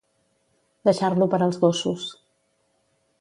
Deixar-lo per als gossos.